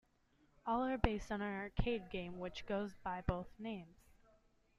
All are based on an arcade game which goes by both names.